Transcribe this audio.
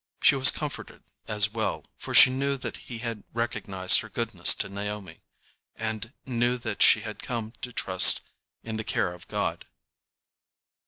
She was comforted as well, for she knew that he had recognized her goodness to Naomi, and knew that she had come to trust in the care of God.